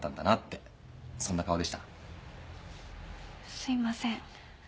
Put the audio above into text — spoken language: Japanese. すいません。